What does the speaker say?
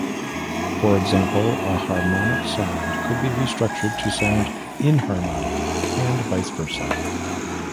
For example, a harmonic sound could be restructured to sound inharmonic, and vice versa.